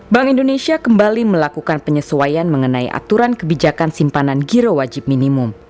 bank indonesia kembali melakukan penyesuaian mengenai aturan kebijakan simpanan giro wajib minimum